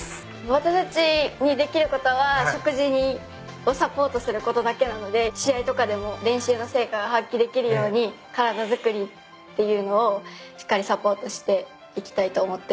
私たちにできることは食事をサポートすることだけなので試合とかでも練習の成果が発揮できるように体作りっていうのをしっかりサポートしていきたいと思ってます。